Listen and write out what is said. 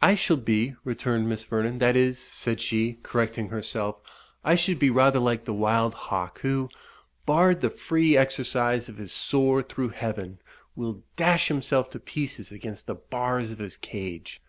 "I shall be," returned Miss Vernon "that is," said she, correcting herself "I should be rather like the wild hawk, who, barred the free exercise of his soar through heaven, will dash himself to pieces against the bars of his cage.